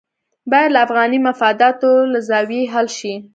باید له افغاني مفاداتو له زاویې حل شي.